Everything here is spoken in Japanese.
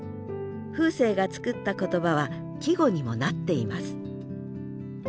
風生が作った言葉は季語にもなっています